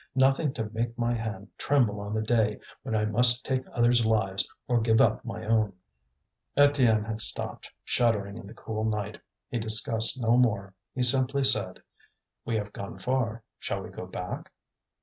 Nothing to make my hand tremble on the day when I must take others' lives or give up my own." Étienne had stopped, shuddering in the cool night. He discussed no more, he simply said: "We have gone far; shall we go back?"